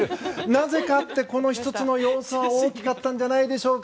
なぜかって、この１つの要素は大きかったんじゃないでしょうか。